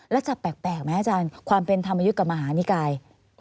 แล้วจะแปลกไหมอาจารย์ความเป็นธรรมยุทธ์กับมหานิกาย